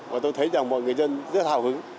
và tôi thấy rằng mọi người dân rất hào hứng